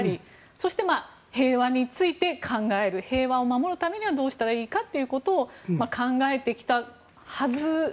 そして平和について考える平和を守るためにはどうしたらいいかということを考えてきたはずですが。